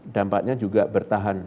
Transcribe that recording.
dampaknya juga bertahan